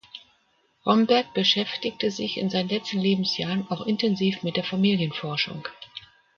Rhomberg beschäftigte sich in seinen letzten Lebensjahren auch intensiv mit der Familienforschung.